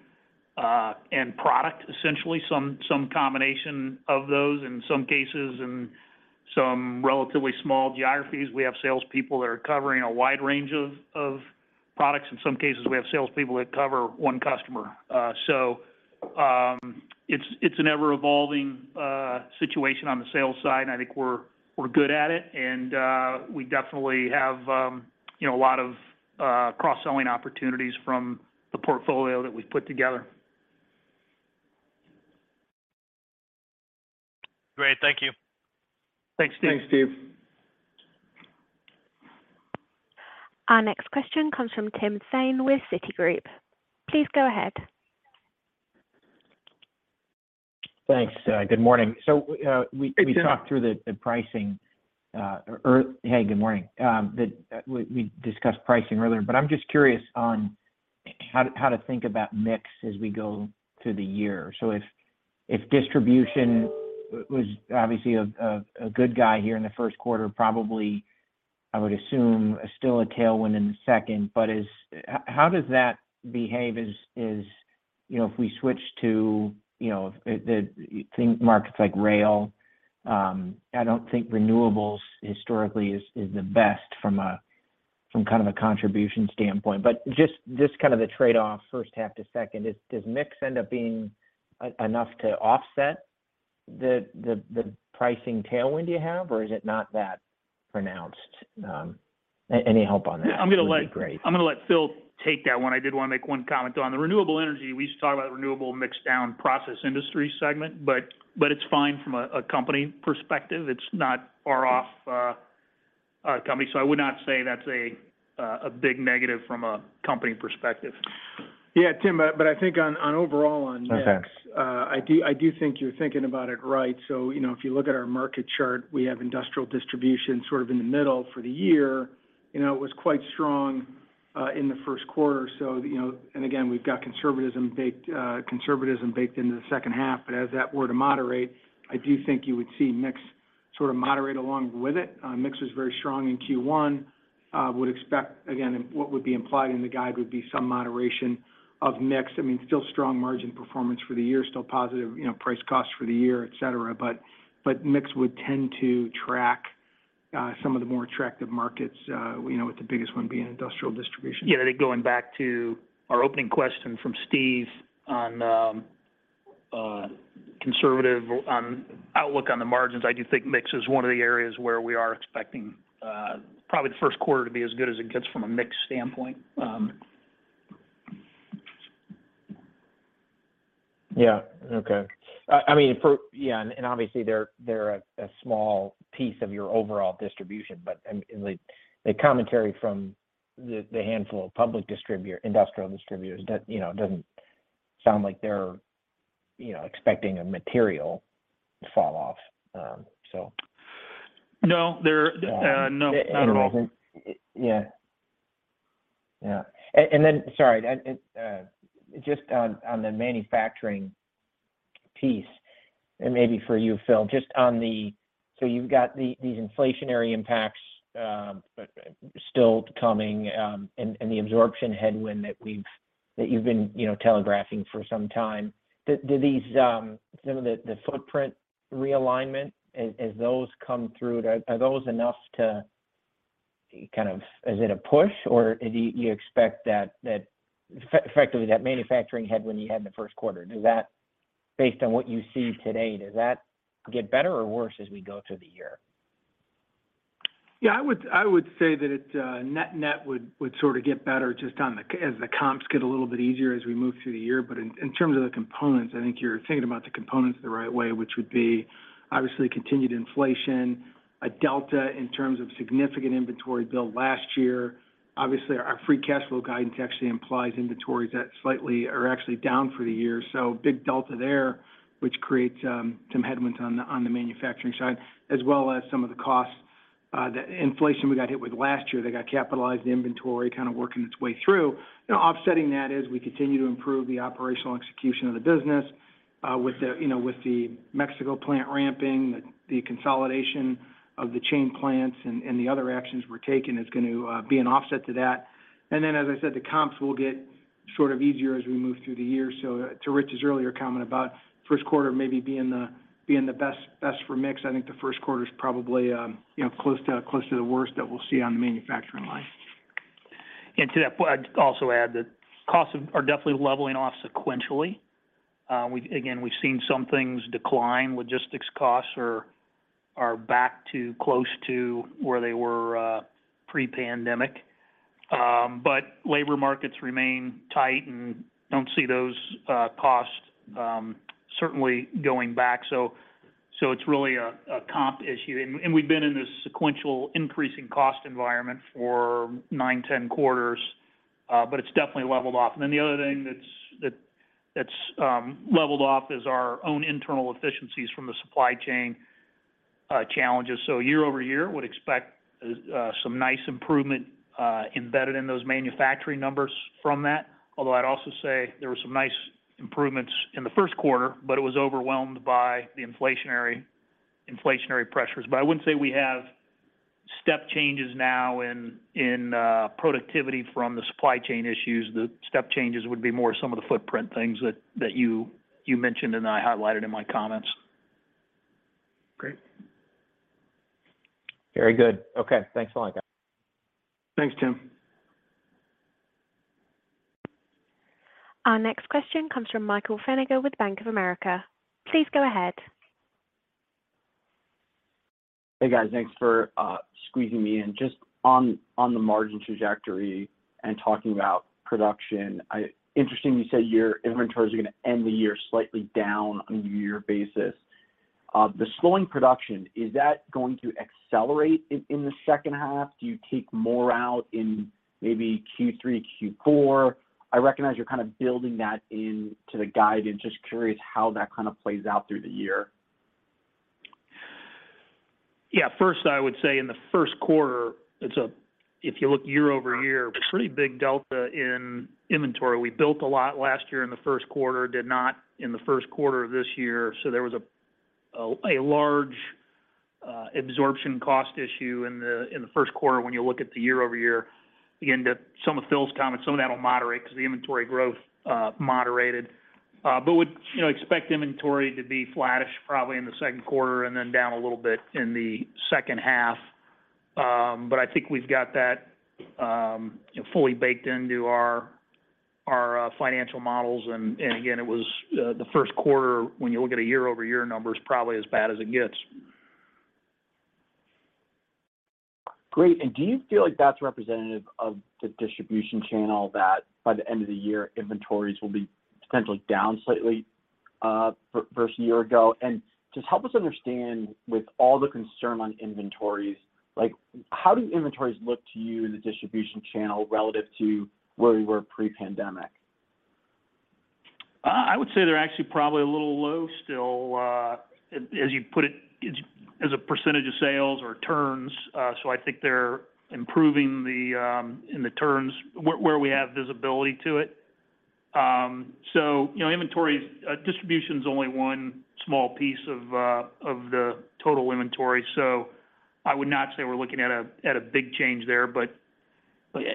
and product, essentially. Some combination of those in some cases. In some relatively small geographies, we have sales people that are covering a wide range of products. In some cases, we have sales people that cover one customer. It's an ever-evolving situation on the sales side, and I think we're good at it. We definitely have, you know, a lot of cross-selling opportunities from the portfolio that we've put together. Great. Thank you. Thanks, Steve. Thanks, Steve. Our next question comes from Timothy Thein with Citigroup. Please go ahead. Thanks. Good morning. Hey, Tim. We talked through the pricing, or. Hey, good morning. We discussed pricing earlier, but I'm just curious on how to think about mix as we go through the year. If distribution was obviously a good guy here in the first quarter, probably I would assume still a tailwind in the second. How does that behave as, you know, if we switch to, you know, if you think markets like rail, I don't think renewables historically is the best from kind of a contribution standpoint. Just kind of the trade-off first half to second. Does mix end up being enough to offset the pricing tailwind you have, or is it not that pronounced? Any help on that Yeah, I'm gonna.... would be great. I'm gonna let Phil take that one. I did wanna make one comment though. On the renewable energy, we used to talk about renewable mix down process industry segment, but it's fine from a company perspective. It's not far off our company. I would not say that's a big negative from a company perspective. Yeah, Tim, I think on overall on mix- Okay I do think you're thinking about it right. You know, if you look at our market chart, we have industrial distribution sort of in the middle for the year. You know, it was quite strong in the first quarter. You know, and again, we've got conservatism baked, conservatism baked into the second half. As that were to moderate, I do think you would see mix sort of moderate along with it. Mix was very strong in Q1. Would expect again, what would be implied in the guide would be some moderation of mix. I mean, still strong margin performance for the year, still positive, you know, price cost for the year, et cetera. Mix would tend to track some of the more attractive markets, you know, with the biggest one being industrial distribution. I think going back to our opening question from Steve on conservative on outlook on the margins, I do think mix is one of the areas where we are expecting probably the first quarter to be as good as it gets from a mix standpoint. Yeah, okay. I mean, Yeah, and obviously they're a small piece of your overall distribution, but the commentary from the handful of public industrial distributors, you know, doesn't sound like they're, you know, expecting a material fall off. No, they're- Yeah. No, not at all. There isn't. Yeah. Yeah. Then. Sorry. Just on the manufacturing piece, and maybe for you, Phil. Just on the. You've got these inflationary impacts, but still coming, and the absorption headwind that you've been, you know, telegraphing for some time. Do these, some of the footprint realignment as those come through, are those enough to kind of? Is it a push or do you expect that effectively that manufacturing headwind you had in the first quarter, does that based on what you see today, does that get better or worse as we go through the year? Yeah, I would say that it net would sort of get better just on the as the comps get a little bit easier as we move through the year. In terms of the components, I think you're thinking about the components the right way, which would be obviously continued inflation. A delta in terms of significant inventory build last year. Obviously, our free cash flow guidance actually implies inventories that slightly are actually down for the year. Big delta there, which creates some headwinds on the, on the manufacturing side, as well as some of the costs, the inflation we got hit with last year that got capitalized inventory kind of working its way through. You know, offsetting that as we continue to improve the operational execution of the business, with the, you know, with the Mexico plant ramping, the consolidation of the chain plants and the other actions we're taking is going to be an offset to that. As I said, the comps will get sort of easier as we move through the year. To Rich's earlier comment about first quarter maybe being the best for mix, I think the first quarter's probably, you know, close to the worst that we'll see on the manufacturing line. To that point, I'd also add that costs are definitely leveling off sequentially. Again, we've seen some things decline. Logistics costs are back to close to where they were pre-pandemic. Labor markets remain tight and don't see those costs certainly going back. It's really a comp issue. We've been in this sequential increasing cost environment for 9, 10 quarters, but it's definitely leveled off. Then the other thing that's that's leveled off is our own internal efficiencies from the supply chain challenges. Year-over-year would expect some nice improvement embedded in those manufacturing numbers from that. Although I'd also say there were some nice improvements in the first quarter, but it was overwhelmed by the inflationary pressures. I wouldn't say we have step changes now in productivity from the supply chain issues. The step changes would be more some of the footprint things that you mentioned and I highlighted in my comments. Great. Very good. Okay. Thanks a lot, guys. Thanks, Tim. Our next question comes from Michael Feniger with Bank of America. Please go ahead. Hey, guys. Thanks for squeezing me in. Just on the margin trajectory and talking about production. Interestingly, you said your inventories are gonna end the year slightly down on a year-over-year basis. The slowing production, is that going to accelerate in the second half? Do you take more out in maybe Q3, Q4? I recognize you're kind of building that into the guide. I'm just curious how that kind of plays out through the year. Yeah. First, I would say in the first quarter, if you look year-over-year, pretty big delta in inventory. We built a lot last year in the first quarter, did not in the first quarter of this year. There was a large absorption cost issue in the first quarter when you look at the year-over-year. Again, to some of Phil's comments, some of that will moderate 'cause the inventory growth moderated. Would, you know, expect inventory to be flattish probably in the second quarter and then down a little bit in the second half. I think we've got that fully baked into our financial models and again, it was the first quarter when you look at a year-over-year number is probably as bad as it gets. Great. Do you feel like that's representative of the distribution channel that by the end of the year inventories will be potentially down slightly, versus a year ago? Just help us understand with all the concern on inventories, like how do inventories look to you in the distribution channel relative to where we were pre-pandemic? I would say they're actually probably a little low still, as you put it, as a percentage of sales or turns. I think they're improving the, in the turns where we have visibility to it. You know, inventory. Distribution's only one small piece of the total inventory. I would not say we're looking at a big change there.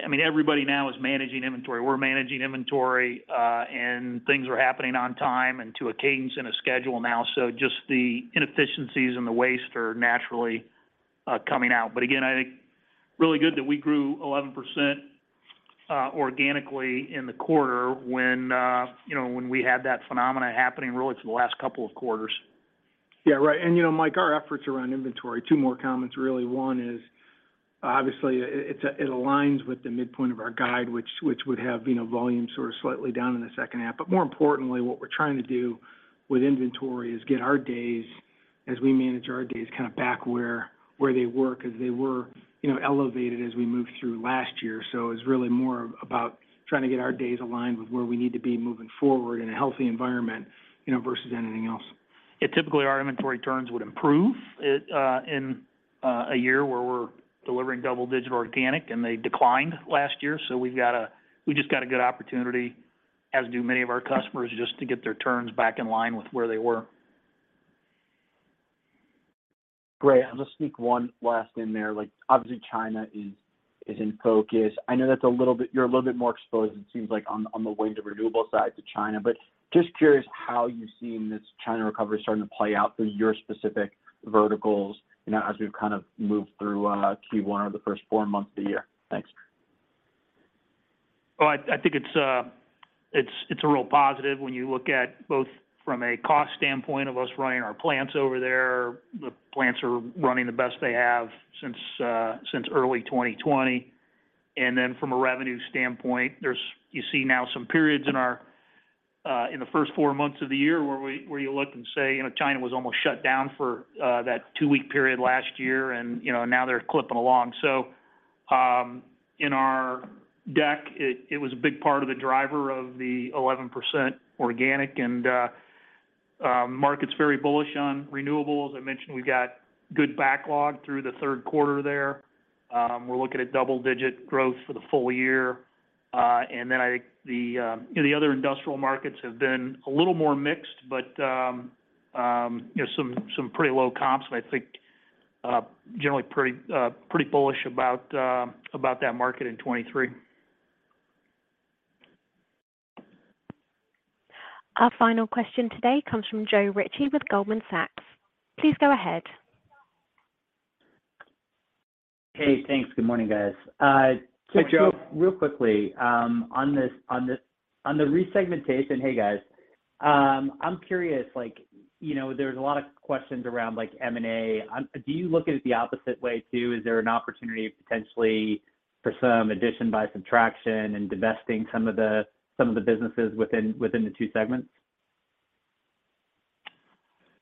I mean, everybody now is managing inventory. We're managing inventory, and things are happening on time and to a cadence and a schedule now. Just the inefficiencies and the waste are naturally coming out. Again, I think really good that we grew 11% organically in the quarter when, you know, when we had that phenomena happening really to the last couple of quarters. Yeah. Right. You know, Mike, our efforts around inventory, two more comments really. One is, obviously it's a, it aligns with the midpoint of our guide which would have, you know, volume sort of slightly down in the second half. More importantly, what we're trying to do with inventory is get our days as we manage our days kind of back where they were 'cause they were, you know, elevated as we moved through last year. It's really more about trying to get our days aligned with where we need to be moving forward in a healthy environment, you know, versus anything else. Typically our inventory turns would improve it in a year where we're delivering double-digit organic, and they declined last year. We just got a good opportunity, as do many of our customers, just to get their turns back in line with where they were. Great. I'll just sneak one last in there. Like, obviously China is in focus. I know that you're a little bit more exposed, it seems like on the wind and renewable side to China. Just curious how you're seeing this China recovery starting to play out through your specific verticals, you know, as we've kind of moved through, Q1 or the first four months of the year. Thanks. Well, I think it's a real positive when you look at both from a cost standpoint of us running our plants over there. The plants are running the best they have since early 2020. From a revenue standpoint, there's. You see now some periods in our in the first four months of the year where you look and say, you know, China was almost shut down for that 2-week period last year and, you know, now they're clipping along. In our deck, it was a big part of the driver of the 11% organic and market's very bullish on renewables. I mentioned we've got good backlog through the third quarter there. We're looking at double-digit growth for the full year. The other industrial markets have been a little more mixed, but you know, some pretty low comps and I think generally pretty bullish about that market in 23. Our final question today comes from Joe Ritchie with Goldman Sachs. Please go ahead. Hey, thanks. Good morning, guys. Hey, Joe. Real quickly, on the resegmentation. Hey, guys. I'm curious, like, you know, there's a lot of questions around like M&A. Do you look at it the opposite way too? Is there an opportunity potentially for some addition by subtraction and divesting some of the businesses within the two segments?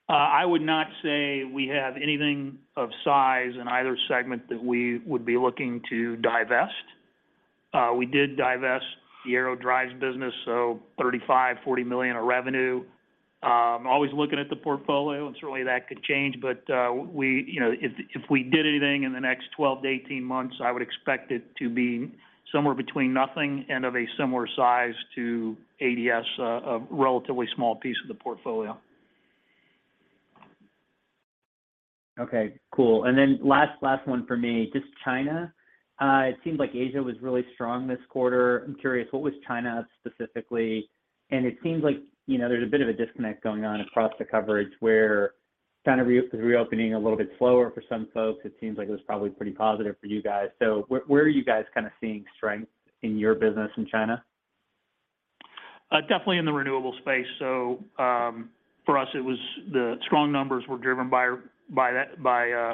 I would not say we have anything of size in either segment that we would be looking to divest. We did divest the AeroDrives business, so $35 million-$40 million of revenue. Always looking at the portfolio, and certainly that could change. You know, if we did anything in the next 12 to 18 months, I would expect it to be somewhere between nothing and of a similar size to ADS, a relatively small piece of the portfolio. Okay, cool. Last one for me, just China. It seemed like Asia was really strong this quarter. I'm curious, what was China specifically? It seems like, you know, there's a bit of a disconnect going on across the coverage where China is reopening a little bit slower for some folks. It seems like it was probably pretty positive for you guys. Where are you guys kind of seeing strength in your business in China? Definitely in the renewable space. For us it was the strong numbers were driven by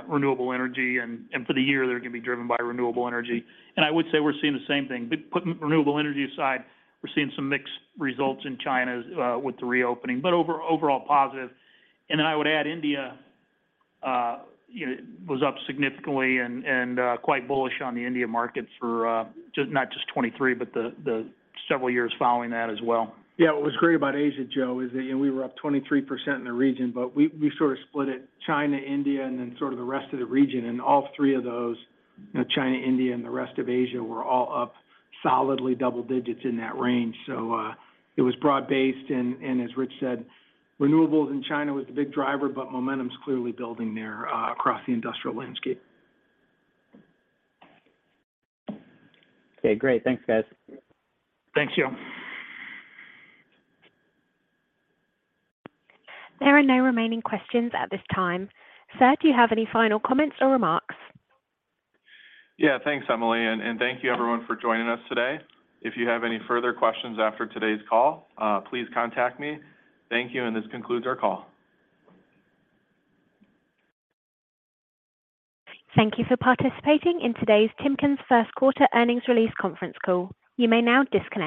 renewable energy and for the year they're gonna be driven by renewable energy. I would say we're seeing the same thing. Putting renewable energy aside, we're seeing some mixed results in China's, with the reopening, but overall positive. Then I would add India, you know, was up significantly and quite bullish on the India markets for not just 2023, but the several years following that as well. Yeah. What was great about Asia, Joe, is that, you know, we were up 23% in the region, but we sort of split it China, India, and then sort of the rest of the region. All three of those, you know, China, India, and the rest of Asia were all up solidly double digits in that range. It was broad-based and as Rich said, renewables in China was the big driver, but momentum's clearly building there, across the industrial landscape. Okay. Great. Thanks, guys. Thanks, Joe. There are no remaining questions at this time. Sir, do you have any final comments or remarks? Yeah. Thanks, Emily, and thank you everyone for joining us today. If you have any further questions after today's call, please contact me. Thank you. This concludes our call. Thank you for participating in today's Timken's first quarter earnings release conference call. You may now disconnect.